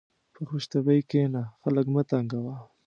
په خوشطبعي کښېنه، خلق مه تنګوه.